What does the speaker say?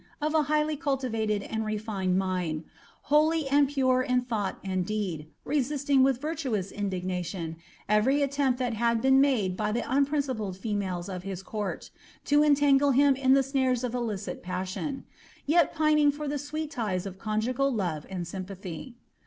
of a highly culiivaied and refined mind, holy and pui« in ihoofhi and deed, rexitiing with vinunue indignation every allcmpt that hid been made by the unprinripled females nf his court to en'anirlc him ia the anarcB of illicit passion ;' yet pining for the sweet ties of conjufd love and sympathv.